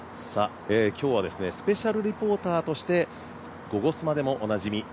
今日はスペシャルリポーターとして「ゴゴスマ」でもおなじみ